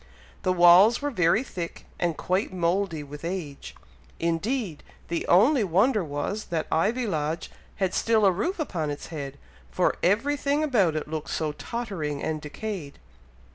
The walls were very thick, and quite mouldy with age. Indeed, the only wonder was, that Ivy Lodge had still a roof upon its head, for every thing about it looked so tottering and decayed.